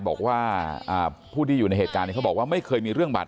บอกว่าผู้ที่อยู่ในเหตุการณ์เขาบอกว่าไม่เคยมีเรื่องบาด